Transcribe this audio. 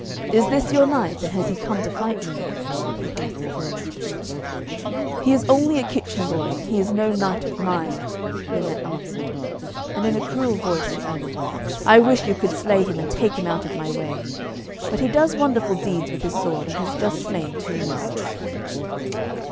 'Is this your knight, and has he come to fight me?' he asked Lynette. 'He is only a kitchen boy, he is no knight of mine,' Lynette answered. And in a cruel voice she added, 'I wish you could slay him and take him out of my way; but he does wonderful deeds with his sword, and has just slain two knights.'